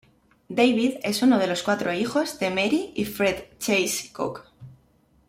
David es uno de los cuatro hijos de Mary y Fred Chase Koch.